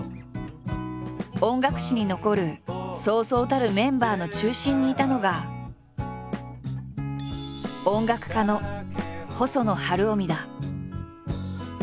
音楽史に残るそうそうたるメンバーの中心にいたのが音楽家の細野晴臣だ。